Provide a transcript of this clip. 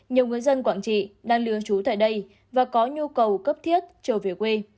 nhiều người dân quảng trị đang lưu trú tại đây và có nhu cầu cấp thiết trở về quê